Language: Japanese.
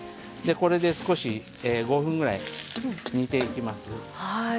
これで少し５分ぐらい煮ていきます。